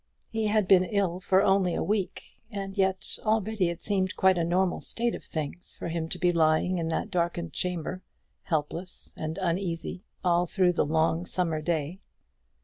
He had been ill for only a week, and yet already it seemed quite a normal state of things for him to be lying in that darkened chamber, helpless and uneasy, all through the long summer day.